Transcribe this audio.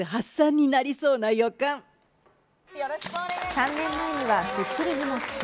３年前には『スッキリ』にも出演。